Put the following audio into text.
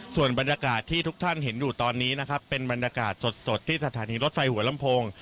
ส่วนบรรยากาศที่ทุกท่านเห็นอยู่ตอนนี้นะครับเป็นบรรยากาศสดที่สถานีรถไฟหัวลำโพง